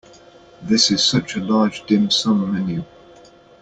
This is such a large dim sum menu.